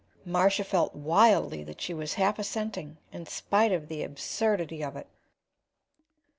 Marcia felt wildly that she was half assenting, in spite of the absurdity of it.